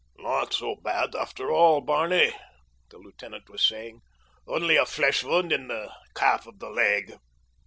"Not so bad, after all, Barney," the lieutenant was saying. "Only a flesh wound in the calf of the leg."